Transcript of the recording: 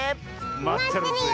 まってるぜえ。